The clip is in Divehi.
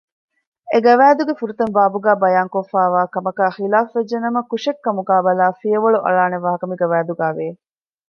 އެގަވައިދުގެ ފުރަތަމަ ބާބުގައި ބަޔާންކޮށްފައިވާ ކަމަކާއި ޚިލާފުވެއްޖެނަމަ ކުށެއްކަމުގައި ބަލައި ފިޔަވަޅު އަޅާނެ ވާހަކަ މިގަވައިދުގައި ވެ